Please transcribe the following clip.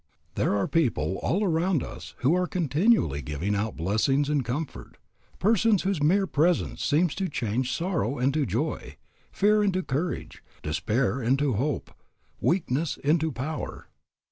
There are people all around us who are continually giving out blessings and comfort, persons whose mere presence seems to change sorrow into joy, fear into courage, despair into hope, weakness into power.